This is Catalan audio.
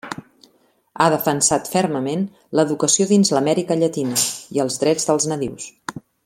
Ha defensat fermament l'educació dins Amèrica Llatina i els drets dels nadius.